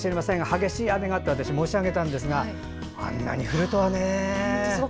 激しい雨がって申し上げたんですがあんなに降るとはね。